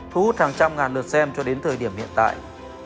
thu hút hàng trăm ngàn lượt xem cho đến thời điểm hiện tại